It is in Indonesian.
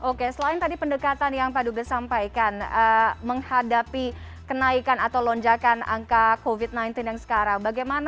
oke selain tadi pendekatan yang pak dubes sampaikan menghadapi kenaikan atau lonjakan angka covid sembilan belas yang sekarang